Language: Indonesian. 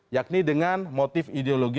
yakni dengan motif ideologi